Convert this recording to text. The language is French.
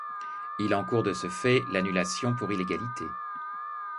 Il encourt de ce fait l'annulation pour illégalité.